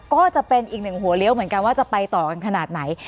ก็จะเป็นอีกหนึ่งหัวเลี้ยวเหมือนกันว่าจะไปต่อกันขนาดไหน